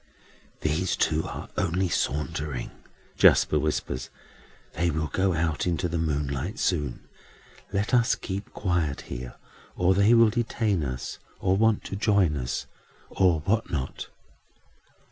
"Those two are only sauntering," Jasper whispers; "they will go out into the moonlight soon. Let us keep quiet here, or they will detain us, or want to join us, or what not."